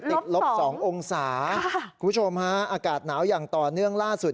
ลบ๒องศาคุณผู้ชมฮะอากาศหนาวอย่างต่อเนื่องล่าสุด